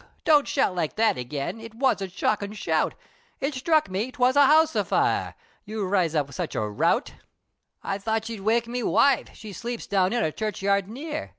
don't shout like that again, It was a shockin' shout, It sthruck me, 'twas a house a fire! You riz up such a rout. I thought you'd wake me wife! she sleeps, Down in a churchyard near!"